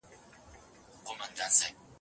يو سړی په کمپيوټر کي کوډ ليکي.